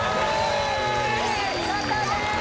お見事です